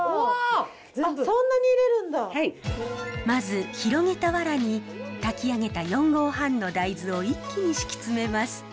まず広げたわらに炊き上げた４合半の大豆を一気に敷きつめます。